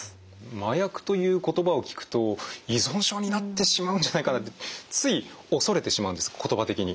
麻薬という言葉を聞くと依存症になってしまうんじゃないかなってつい恐れてしまうんです言葉的に。